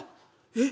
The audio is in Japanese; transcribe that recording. えっ？